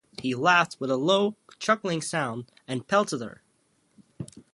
He laughed with a low, chuckling sound, and pelted her.